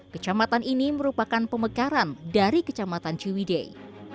kecamatan ini merupakan pemekaran dari kecamatan ciwidei